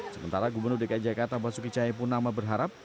sementara gubernur dki jakarta basuki cahaya pun nama berharap